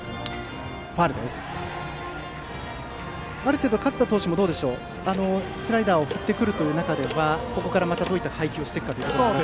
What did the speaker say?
ある程度、勝田投手もスライダーを振ってくる中ではここからまたどういった配球をしていくか。